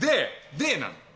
「で」なの？